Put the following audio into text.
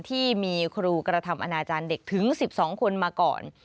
ที่มีครูกระทำอนาจารย์เด็กถึง๑๒คนมาก่อน